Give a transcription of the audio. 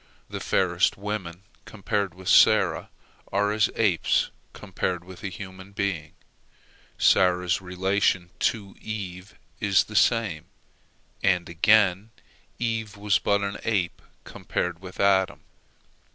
The fairest women compared with Sarah are as apes compared with a human being. Sarah's relation to Eve is the same, and, again, Eve was but as an ape compared with Adam.